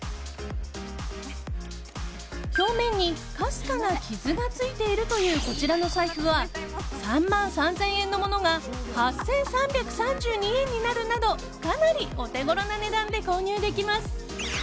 裏面にかすかな傷がついているという、こちらの財布は３万３０００円のものが８３３２円になるなどかなりお手ごろな値段で購入できます。